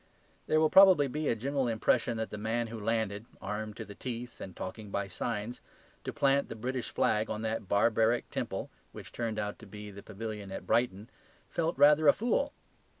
There will probably be a general impression that the man who landed (armed to the teeth and talking by signs) to plant the British flag on that barbaric temple which turned out to be the Pavilion at Brighton, felt rather a fool.